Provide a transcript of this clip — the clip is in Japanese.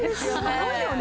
すごいよね。